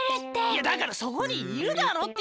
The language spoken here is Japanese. いやだからそこにいるだろって！